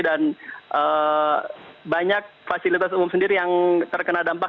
dan banyak fasilitas umum sendiri yang terkena dampak